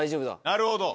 なるほど。